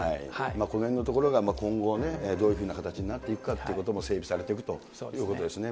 このへんのところが、今後ね、どういうふうな形になっていくかということも、整理されていくということですね。